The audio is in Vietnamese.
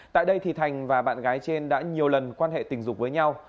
tại đây thì thành và bạn gái trên đã nhiều lần quan hệ tình dục với nhau